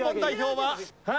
はい！